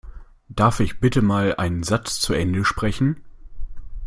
Darf ich bitte mal einen Satz zu Ende sprechen?